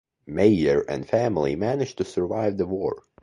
Meijer and family managed to survive the war.